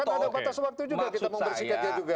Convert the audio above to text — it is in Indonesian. kan ada batas waktu juga kita mau bersihkan dia juga